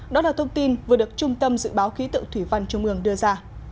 đó là thông tin vừa được trung tâm dự báo khí tượng thủy văn trung ương đưa ra